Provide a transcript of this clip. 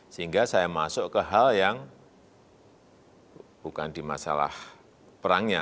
sehingga saya masuk ke hal yang bukan di masalah perangnya